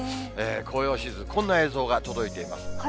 紅葉シーズン、こんな映像が届いています。